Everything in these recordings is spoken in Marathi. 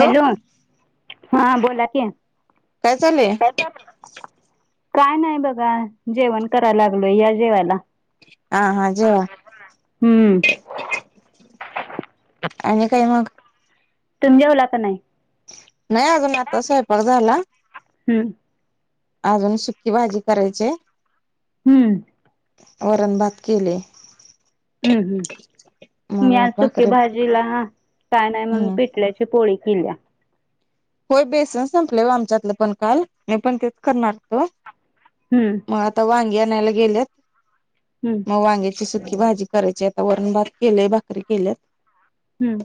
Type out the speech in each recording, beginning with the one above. हॅलो हा बोला कि काय चालूय पच काय नाही बघा जेवण करायला लागलोय या जेवायला हा हा जेव हम्म आणि काय मग तुम्हीे जेवला का नाही नाही अजून आता स्वयंपाक झाला हम्म. अजून सुकी भाजी करायचे हम्म वरणभात केले हम्म हम् मी मग आ चुकी भाकरी भाजीला ह काय नाही म्हणून हम्म पेटल्याचे पोळी किल्या होय बेसन संपले आमच्यातलं पण काल मी पण तेच करणार तो हम्म मग आता वांगी आणयला गेलेत हम्म मग वांग्याची सुकी भाजी करायची आता वरण भात केलेय भाकरी केल्यात हम्म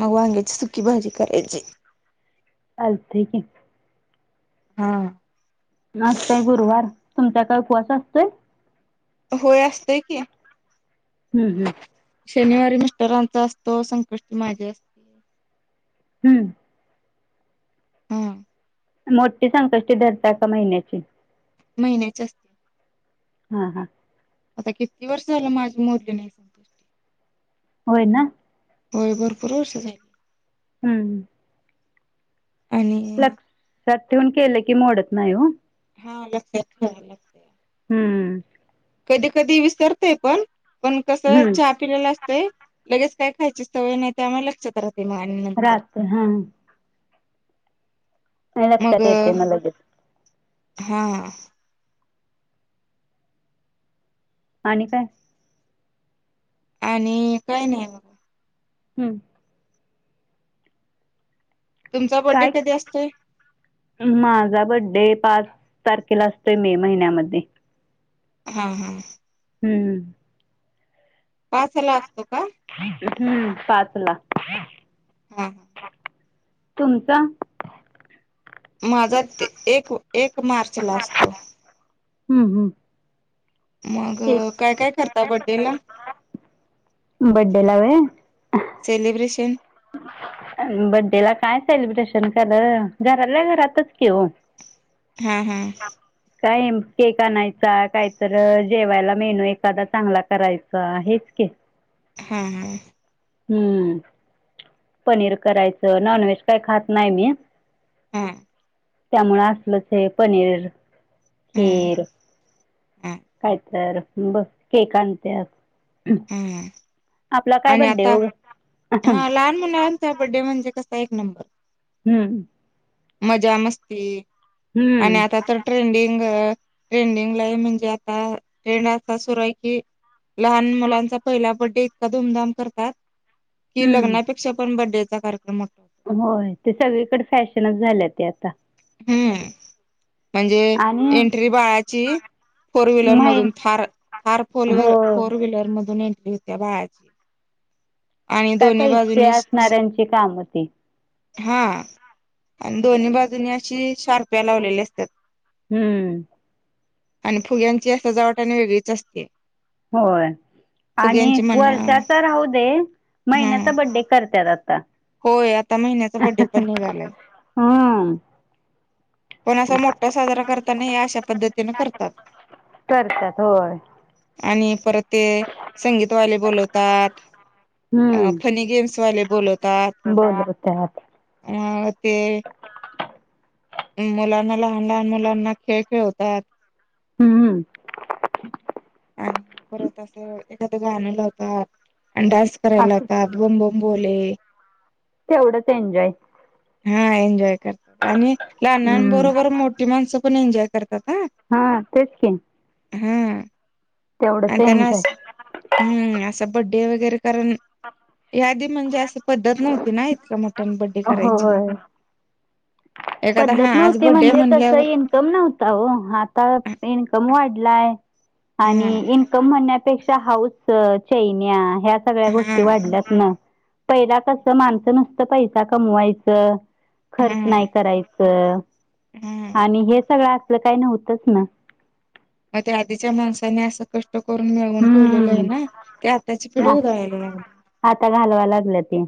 मग वांग्याची सुकी भाजी करायची चालतय की. हा आताय गुरुवार तुमचा काय उपवास असतोय होय असते की [inaudible] शनिवारी मिस्टरांचा असतो संकष्टी माझ्या असतो [unintelligible] हम्म. हा मोठी संकष्टी धरता का महिन्याची महिन्याच अस हां हां आता किती वर्ष झालं माझे मोरले नाही सांग होय ना होय भरपूर वर्ष झाली हम्म आणि लक्षात ठेऊन केलं की मोडत नाही हो हा लक्षातच झा हम्म कधी कधी विसरते पण पण कसं हम्म छ पिलेला असतंय लगेच काय खायची सवय नाही त्यामुळे्हाला लक्षात राहते मग आणि नंतर राततो हा मग लक्षात येते मला लगेच हा आणि काय आणि काय नाही म हम्म तुमचा बड्डे काय कधी असतोय माझा बड्डे पाच तारखेला असतोय मे महिन्यामध्ये हा हा हम्म हम्म. पाचला असतो का हम्म पाचला हा हा तुमचा माझा ते एक एक मार्च ला असतो हम्म हम्म मग तेच काय काय करता बड्डे ला बड्डे ला व्हय सेलिब्रेशन बड्डे ला काय सेलिब्रेशन केलं घरातल्या घरातच की ओ हा हम काय केक आणायचा काहीत जेवायला मेनू एखादा चांगला करायचा हेच के हा हा हम्म पनीर करायचं नॉनव्हेज काय खात नाही मी हा त्यामुळे असलं ते पनीर खीर ह काय तर बस केक आणते हा आणि आता हा लहान मुला बड्डे म्हणजे कसा एक नंबर हम् मजा मस्ती आणि हम्म आता तर ट्रेंडिंग ट्रेंडिंगला म्हणजे आता ट्रेंड असा सुरू आहे की लहान मुलांचा पहिला बड्डे इतका धूमधाम करतात कि हम्म लग्नापेक्षा पण बरडेचा कार्यक्रम होतो होय ते सगळीकडे फॅशनच झाले ते आता हम्म म्हणजे आणि एंट्री बाळाची फोर व्हीलर माहि मधून थार थार फोर व हो फोर व्हीलर मधून एंटली होती त्या बाळाची आणि काय दोन्ही पैसे बाजूननी असणाऱ्यांची काम ती हा आणि दोन्ही बाजूननी अशी शार्प्या लावलेली असतात हम्म आणि फुग्यांची सजावट आणि वेगळीच असते होय आणि फुग्यांची म्हणा वर्षाचा राहू दे हा महिन्याचा बड्डे करतत आता होय आता महिन्याचा बड्डे पण निघालाय हां पण असा मोठा साजरा करताना हे अशा पद्धतीने करतात करतात होय आणि परत ते संगीतवाले बोलवतात अ फनी गेम्स वाले बोलत ब हो ते ह ते मुलांना लहान लहान मुलांना खेळ खेळतात हम्म हम् आणि पररतं एखादं गाण ला होतात आणि डान्स करायला असं होतात बंबं बोलें तेवढंच एन्जॉय हा एन्जॉय करतात आणि हम्म लहनांबरोबर मोठी माणसं पण एन्जॉय करतात हा हा तेच की हम् तेवढंच आणि त्यांना एन्जॉय हम्म असं बड्डे वगैरे कारण यादीी म्हणजे असं पद्धत नव्हती ना इतक म हो एखादा हा पद्धत आज नव्हती बड्डे म्हणजे कस म्हणल्यावर येईल म नव्हता हो आता हा इन्कम वाढलाय आणि इन क्कम म्हणण्यापेक्षा हाऊस चैन्या ह्या सगळ्या हा गोष्टी वाढल्यात ना पहिला कस माणसं नसत पैसा कमवायचं खर्च हा नाही करायचं हा आणि हे सगळं असलं काही नव्हतंच ना मग ते आधीच्या माणसाने असं क करून मिळवून ठेवलेलं आहे ना हम्म ते आत्ताची पिढ उदळाला अग लागलती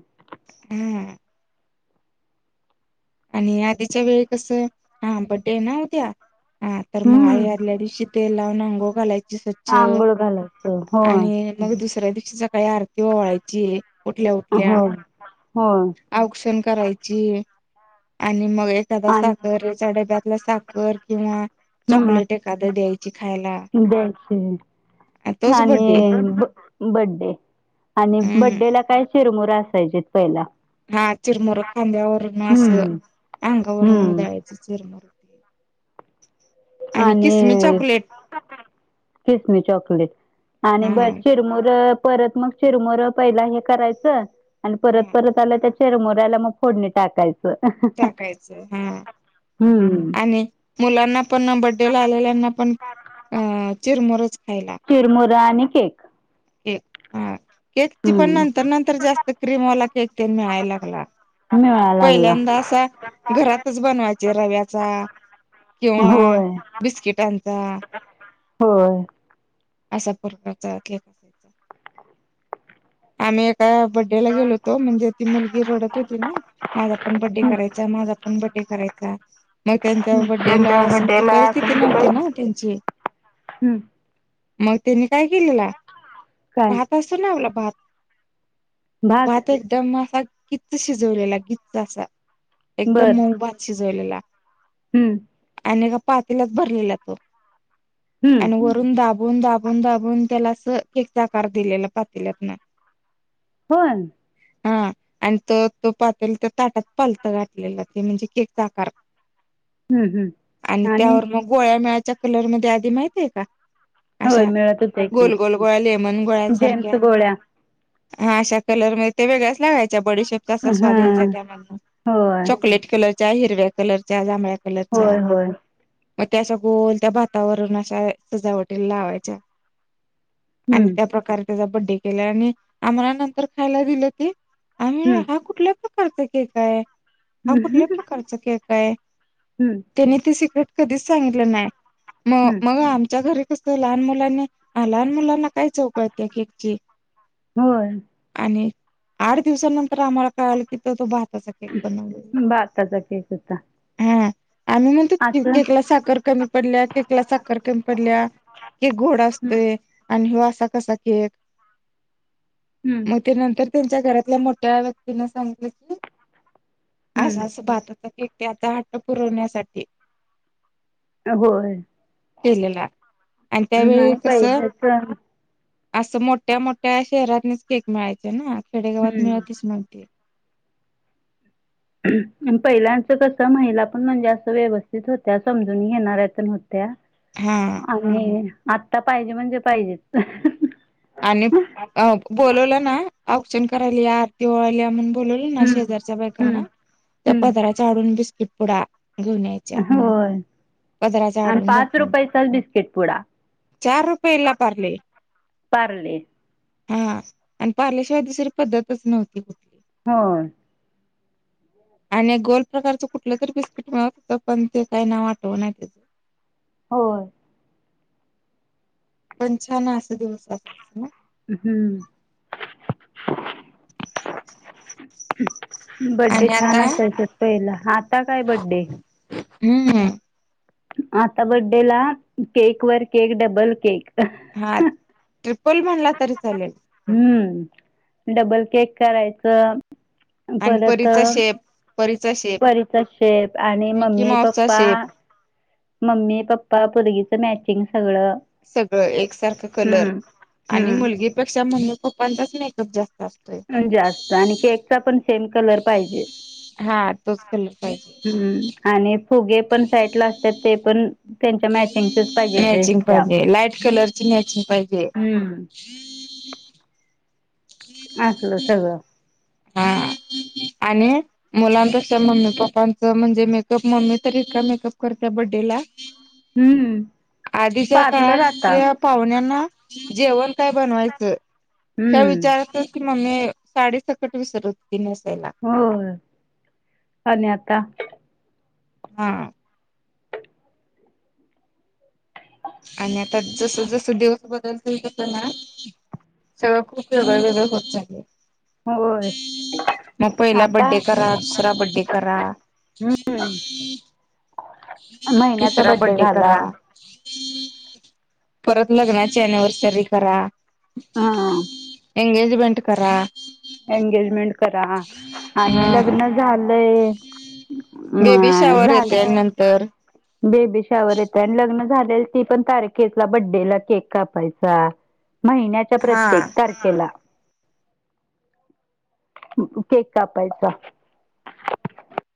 हा आणि आधीच्या वेळी कस हा बड्डे ना होत्या हा तर मग आई हम्म आदल्या दिशी ते लावून अंगो घालायचे स्वच्छ आंघोळ घालायचं हो आणि मग दुसऱ्या दिवशीचा काही आरती ओळायची आहे हो हो औक्षण करायची आणि मग एक त्या आणि साखर याच्या डब्यातला साखर किंवा हम्म चॉकलेट एखादं द्यायची खायला अच्छा आ, तोच बड्डे आणि बड्डे आणि हम्म बड्डे ला काय चिरमुरा असायचेत पहिला हा चिरमर खांद्यावरून असं हम्म अंगावरून हम्म जायच चिरमर ते आणि किसमी चॉकलेट किसमी चॉकलेट आणि हा बर चिरमुर परत मग चिरमरं पहिला हे करायचं आणि परत हा परत आलं त्या चिरमऱ्याला मग फोडणी टाकायच टाकायचं हा हम्म आणि मुलांना पण बड्डे ला आलेल्यांना पण अ चिरमुरच खायला चिरमुरा आणि केक केक हा केकची पण नंतर हम्म नंतर जास्त क्रीमवाला केक ते मळायलागला मिळायला पहिल्यांदा लागला असा घरातच बनवायचे रव्याचा किंववा होय बिस्किटांचा होय असा पुरचा कसायचा आम्ही एका बड्डेला गेलो होतो म्हणजे ती मुलगी रडत होती ना माझा पण बड्डे करायचा माझा पण बड्डे करायचा मग त्यांच्या हम्म. बर्डेला त्यांच्या असं म्हणजे बड्डेला परिस्थिती तुमचे नव्हती ना पैसे त्यांची हम्म. मग त्यानी काय केलेला काय भात असतो ना आपला भात भात एकदम असा गीचच शिजवलेला गीचच असा एकदम बर मऊभात अ जल हम्म आणि का पातेलाच भरलेला तो हम्म आणि वरून दाबून दाबून दाबून त्याला अस केकचाकार दिलेला पातल्यात ना कोण हा आणि त तो पातला तर ताटात पालत गाठलेला ते म्हणजे केक साकार आणि त्यावर मग गोळ्यामेळा्याच्या कलर मध्ये आधी माहितय का होय अशा मिळत होते की गोल गोल गोळ्या लेमन जेम्स गोळ्यासारख्या गोळ्या हा अशा कलर म ते वेगळ्याच लागायच्या बडीश जासा हा स्वाद या्यायचा त्या म्हणून होय चॉकलेट कलर हिरव्या कलरच्या जांभळ्या कलरच्या होय होय मग त्याश गोल त्या भातावरण अशा सजावटीला लावायच्या आणि हम्म त्या प्र्रकारे त्याचा बड्डे केला आणि आम्हाला नंतर खायला दिलं आम्ही हम्म हा कुठल्या प्रकारचा केक आहे हा कुठल्या प्रकारचा केकय? हं. त्यांनी ते सिक्रेट कधीच सांगितलं नाही मग हम्म मग आमच्या घरी कस लहान मुलांनी आ लहान मुलांना काय चव कळतीया केकची. होय. आणि आठ दिवसानंतर आम्हाला कळालं की त तो भा भाताचा केक होता. हा आम्ही म्हणतोत असं केकला साखर कमी पडल्या केक ला साखर कमी पडल्या केक गोड हम्म असतोय आणि हो असा कसा केक. हम्म मग ते नंतर त्यांच्या घरातल्या मोठ्या व्यक्तीनं सांगितलं की अस हम्म अस भाताचा केक त्याचा हट्ट पुरवण्यासाठी होय केलेला आणि त्यावेळी नाही कस पहिलेच असं मोठ्या मोठ्या शहरातनीच केक मिळायचे ना खेडेगावात हम्म मिळतच म्हणते. आण पहिलांचं कस महिला पण म्हणजे असं व्यवस्थित होत्या समजून घेणाऱ्या पण होत्या. हा. हम्म आता पाहिजे म्हणजे पाहिजेच. आणि अ बोलवलं ना औक्षण करायला या आरती ओवाळायला या म्हणून बोलवल ना हम्म शेजारच्या बायकांना हम्म. त्या पदाराच्या आढून बिस्किट पुढा घेऊन याय होय. आण पाच झाकून रुपयचाच बिस्किट पुडा. चार रुपयेला पार्ले पारले. हा आणि पारलेशिवाय दुसरी पद्धतच नव्हती कुठ होय. आणि एक गोल प्रकारचं कुठलं तरी बिस्किट मिळत होत पण ते काय नाव आठवनाय त्याचं. होय. पण छान अस दिवस असायच. हम्म. [inaudible] बड्डे आणि छान आता असायचेत पहिला आता काय बड्डे. हम्म. आता बड्डे ला केक वर केक डबल केक अ ह. हा ट्रिपल म्हणला तरी चालेल. हम्म डबल केक करायचं. आणि परत परीचा शेप परीचा शे परीचा शेप आणि मम्मी माऊसचा पप्पा शेप मम्मी पप्पा पोरगीचं मॅचिंग सगळं सगळं एकसारखं कलर हम्म आणि हम्म. मुलगी पेक्षा मम्मी पप्पांचाच मेकअप जास्त असतोय. जास्त आणि केकचा पण सेम कलर पाहिजे. हा तोच कलर पाहिजे हम आणि फुगे पण साईडला असत्यात ते पण त्यांच्या मॅचिंगचेच पाहिजे मॅचिंग ड्रेसच्या. पाहिजे लाईट कलरची मॅचिंग पाहिजे. हम्म. [inaudible] असलं सगळं. हा आणि मुलांपेक्षा मम्मी पप्पांचं म्हणजे मेकअप मम्मी तर इतका मेकअप करतिया बड़्डेला [inaudible] हम्म. आधीच्या काळात पार्लर आता. त्या पाहुण्यांना जेवण काय बनवायचं ह्या हम्म विचारातच की मम्मी साडी सकट विसरत होती नेसायला. होय आणि आता हा. आणि आता जस जसं दिवस बदल होतत ना. सगळं खूप वेगळ वेगळ होत चाललय. होय. मग पहिला आता बड्डे करा दुसरा बड्डे करा. हम. तिसरा बड्डे करा. परत लग्नाची अनिव्हर्सरी करा. हा. एंगेजमेंट करा. एंगेजमेंट करा आणि हा लग्न झालंय. बेबी अ शाॉवर झाल येते नंतर. बेबी शावर येत आणि लग्न झालेल ती पण तारखेला बड्डे ला केक कापायचा. महिन्याच्या हा प्रत्येक तारखेला. केक कापायचा.